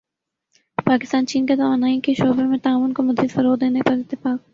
پاکستان چین کا توانائی کے شعبے میں تعاون کو مزید فروغ دینے پر اتفاق